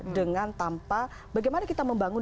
dengan tanpa bagaimana kita membangun